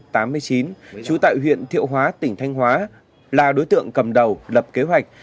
trú tại huyện thiệu hóa tỉnh thanh hóa là đối tượng cầm đầu lập kế hoạch